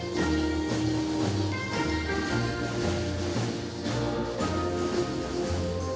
pemenangan peleg dan pilpres dua ribu dua puluh empat